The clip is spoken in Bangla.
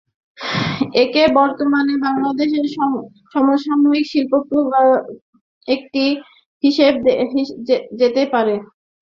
একে বর্তমান বাংলাদেশের সমসাময়িক শিল্পপ্রবণতার একটি স্মারক হিসেবে দেখা যেতে পারে।